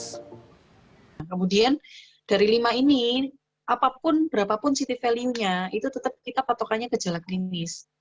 nah kemudian dari lima ini apapun berapapun city value nya itu tetap kita patokannya gejala klinis